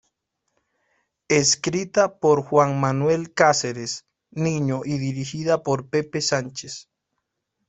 Escrita por Juan Manuel Cáceres Niño y dirigida por Pepe Sánchez.